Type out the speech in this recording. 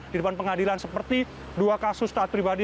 di depan pengadilan seperti dua kasus taat pribadi